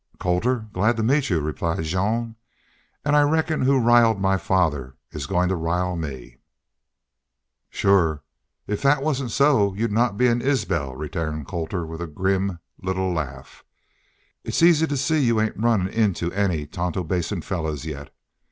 "Colter. Glad to meet you," replied Jean. "An' I reckon who riled my father is goin' to rile me." "Shore. If thet wasn't so you'd not be an Isbel," returned Colter, with a grim little laugh. "It's easy to see you ain't run into any Tonto Basin fellers yet.